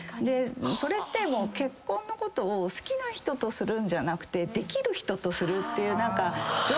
それってもう結婚のことを好きな人とするんじゃなくてできる人とするっていう何か条件ですごい考えて。